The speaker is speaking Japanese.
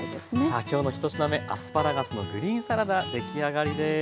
さあ今日の１品目アスパラガスのグリーンサラダ出来上がりです。